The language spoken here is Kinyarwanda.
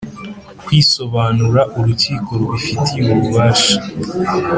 kwisobanura Urukiko rubifitiye ububasha